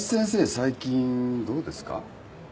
最近どうですか？